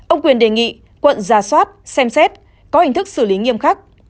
ông quyền đề nghị quận ra soát xem xét có hình thức xử lý nghiêm khắc